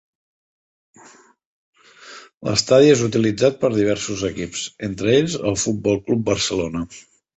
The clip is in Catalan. L'estadi és utilitzat per diversos equips, entre ells el Futbol Club Barcelona.